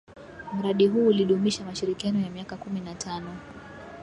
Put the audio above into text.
Mradi huu ulidumisha mashirikiano ya miaka kumi na tano.